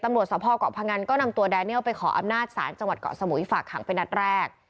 ตำรวจสภเกาะพงันก็นำตัวแดเนียลไปขออำนาจศาลจังหวัดเกาะสมุยฝากขังเป็นนัดแรก